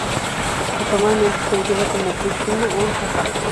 Informalmente es conocida como Pushchino-on-Oka.